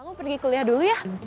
aku pergi kuliah dulu ya